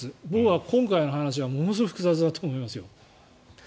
今回の話はものすごい複雑だと思いますよ。